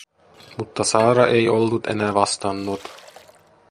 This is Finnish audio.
Mutta Saara ei ollut enää vastannut.